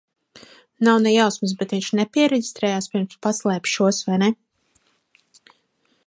Nav ne jausmas, bet viņš nepiereģistrējās, pirms paslēpa šos, vai ne?